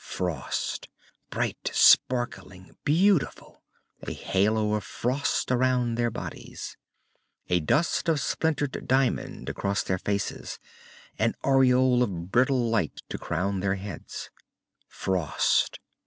Frost. Bright, sparkling, beautiful, a halo of frost around their bodies. A dust of splintered diamond across their faces, an aureole of brittle light to crown their heads. Frost.